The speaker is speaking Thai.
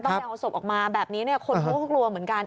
ต้องยาวสบออกมาแบบนี้คนก็ก็กลัวเหมือนกัน